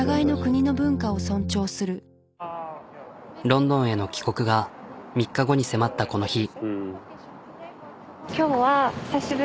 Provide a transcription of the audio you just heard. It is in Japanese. ロンドンへの帰国が３日後に迫ったこの日。